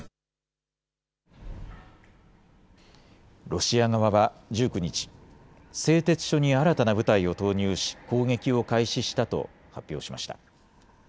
ロシア側は１９日、製鉄所に新たな部隊を投入し攻撃を開始したと発表しました。